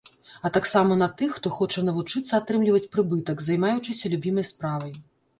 А таксама на тых, хто хоча навучыцца атрымліваць прыбытак, займаючыся любімай справай.